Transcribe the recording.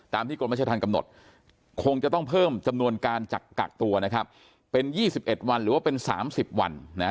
ที่กรมราชธรรมกำหนดคงจะต้องเพิ่มจำนวนการกักตัวนะครับเป็น๒๑วันหรือว่าเป็น๓๐วัน